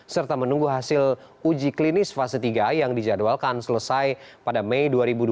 serta menunggu hasil uji klinis fase tiga yang dijadwalkan selesai pada mei dua ribu dua puluh